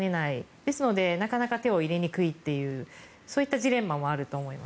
ですのでなかなか手を入れにくいというそういったジレンマもあると思います。